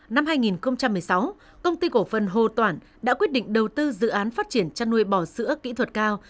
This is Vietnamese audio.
năm hai nghìn một mươi sáu công ty cổ phần hồ toản đã quyết định đầu tư dự án phát triển chăn nuôi bò sữa kỹ thuật cao